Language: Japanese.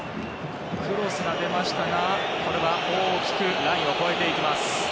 クロスが出ましたが大きくラインを越えていきます。